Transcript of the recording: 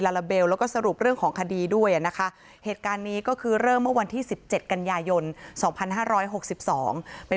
ครอบครัวไม่ได้อาฆาตแต่มองว่ามันช้าเกินไปแล้วที่จะมาแสดงความรู้สึกในตอนนี้